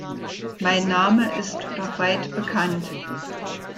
Mein Name ist doch weit bekannt.